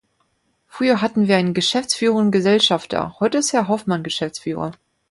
Früher hatten wir einen geschäftsführenden Gesellschafter, heute ist Herr Hoffman Geschäftsführer.